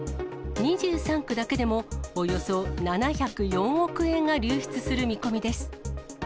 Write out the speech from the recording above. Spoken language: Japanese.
２３区だけでもおよそ７０４億円が流出する見込みです。